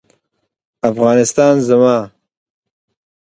افغانستان زما